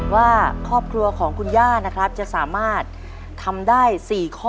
ว่าครอบครัวของคุณย่านะครับจะสามารถทำได้๔ข้อเลยหรือไม่นะครับ